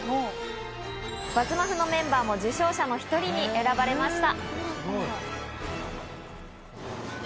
『ＢＵＺＺＭＡＦＦ』のメンバーも受賞者の１人に選ばれました。